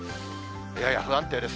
やや不安定です。